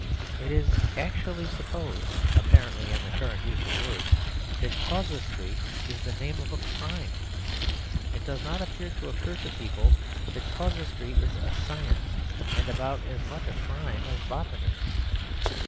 It is actually supposed, apparently in the current use of words, that casuistry is the name of a crime; it does not appear to occur to people that casuistry is a science, and about as much a crime as botany.